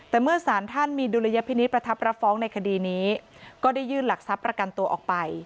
แต่เมื่อสารท่านมีดุลยพินิษฐประทับรับฟ้องในคดีนี้ก็ได้ยื่นหลักทรัพย์ประกันตัวออกไป